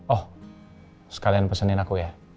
oh sekalian pesenin aku ya